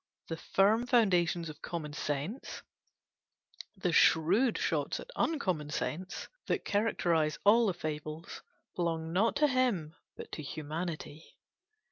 The firm foundations of common sense, the shrewd shots at uncommon sense, that characterise all the Fables, belong not him but to humanity.